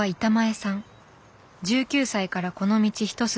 １９歳からこの道一筋。